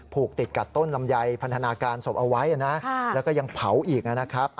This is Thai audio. ผูกติดกับต้นลำไยพันธนาการศพเอาไว้นะแล้วก็ยังเผาอีกนะครับ